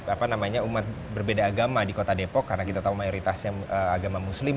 apa namanya umat berbeda agama di kota depok karena kita tahu mayoritasnya agama muslim